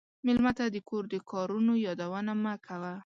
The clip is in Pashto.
مېلمه ته د کور د کارونو یادونه مه کوه.